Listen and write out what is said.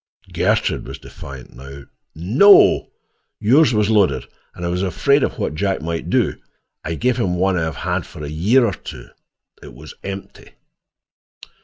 Gertrude was defiant now. "No. Yours was loaded, and I was afraid of what Jack might do. I gave him one I have had for a year or two. It was empty."